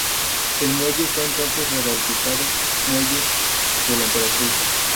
El muelle fue entonces rebautizado 'Muelle de la Emperatriz'.